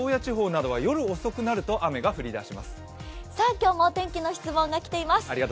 今日もお天気の質問が来ています。